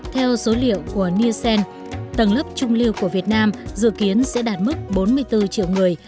theo số liệu của nielsen tầng lớp trung lưu của việt nam dự kiến sẽ đạt mức bốn mươi bốn triệu người